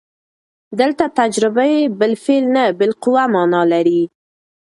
دلته تجربې بالفعل نه، بالقوه مانا لري.